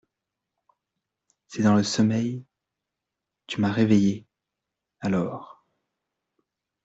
C’est dans le sommeil,… tu m’as réveillée, alors…